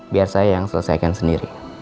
biar saya yang selesaikan sendiri